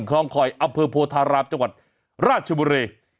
คลองคอยอัพพธาราบจังหวัดราชบุรี